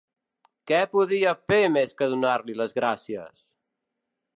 Què podia fer més que donar-li les gràcies!